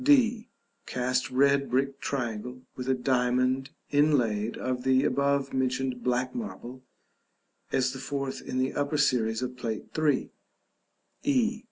d. Cast red brick triangle, with a diamond inlaid of the above mentioned black marble (as the fourth in the upper series of Plate III.). e.